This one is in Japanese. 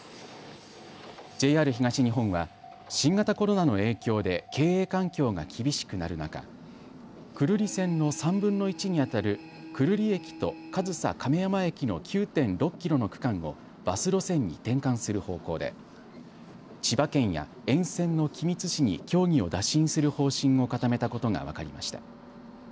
ＪＲ東日本は新型コロナの影響で経営環境が厳しくなる中久留里線の３分の１に当たる久留里駅と上総亀山駅の９．６キロの区間をバス路線に転換する方向で千葉県や沿線の君津市に協議を打診する方針を固めたことが分かりました。